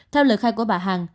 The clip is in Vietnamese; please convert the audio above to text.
theo lời khai của bà hằng